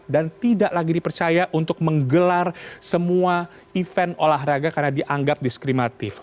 tidak lagi dipercaya untuk menggelar semua event olahraga karena dianggap diskrimatif